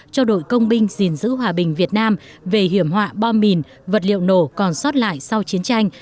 cho đội công binh gìn giữ hòa bình việt nam về hiểm họa bom mìn vật liệu nổ còn sót lại sau chiến tranh